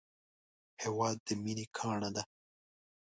هېواد د مینې ګاڼه ده